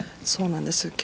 そうなんです。